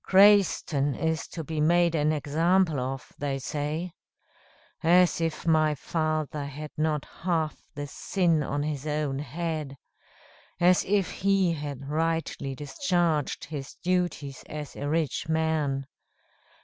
Crayston is to be made an example of, they say. As if my father had not half the sin on his own head! As if he had rightly discharged his duties as a rich man!